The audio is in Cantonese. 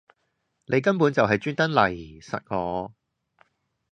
你根本就係專登嚟????實我